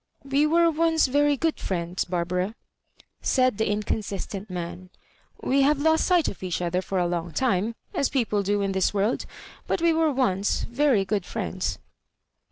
"We were once very good friends, Barbara," said the inconsistent man ; "we have lost sight of each other for a long time, as people do in this world; but we were once very good friends."